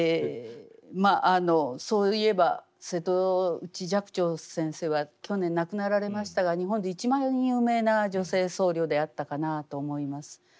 そういえば瀬戸内寂聴先生は去年亡くなられましたが日本で一番有名な女性僧侶であったかなあと思います。